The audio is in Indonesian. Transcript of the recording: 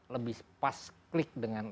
lebih pas klik dengan